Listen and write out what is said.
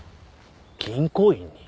銀行員に？